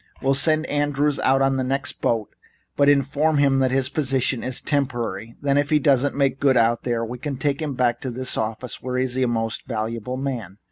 We'll send Andrews out on the next boat, but inform him that his position is temporary. Then if he doesn't make good out there we can take him back into this office, where he is a most valuable man.